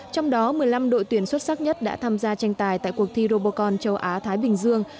trong đó một mươi năm đội tuyển xuất sắc nhất đã tham gia tranh tài tại cuộc thi robocon châu á thái bình dương